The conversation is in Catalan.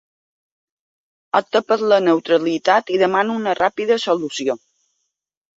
Opta per la neutralitat i demana una ràpida solució.